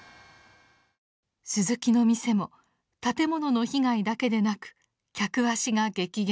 鈴木の店も建物の被害だけでなく客足が激減。